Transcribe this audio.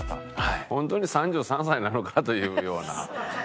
本当に３３歳なのか？というような。